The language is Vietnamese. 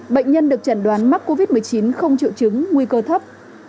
bệnh nhân được chẩn đoán mắc covid một mươi chín không triệu chứng nguy cơ thấp